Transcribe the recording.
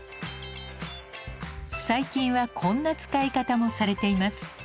最近はこんな使い方もされています。